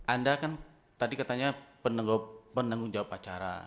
anda kan tadi katanya penanggung jawab acara